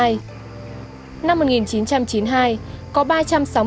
có một đoàn đoàn đoàn đoàn đoàn đoàn